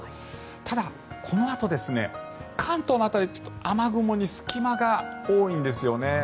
ただ、このあと関東の辺り雨雲に隙間が多いんですよね。